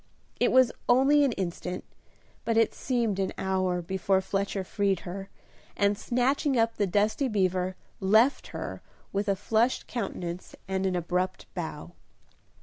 It was only an instant, but it seemed an hour before Fletcher freed her, and snatching up the dusty beaver, left her with a flushed countenance and an abrupt bow.